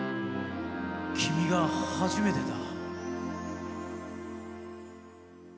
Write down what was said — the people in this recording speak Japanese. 君が初めてだ。